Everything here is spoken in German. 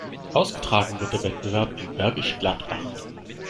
Ausgetragen wird der Wettbewerb in Bergisch Gladbach.